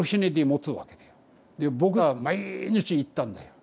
で僕は毎日行ったんだよ。